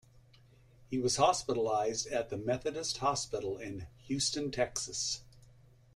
He was hospitalized at The Methodist Hospital in Houston, Texas.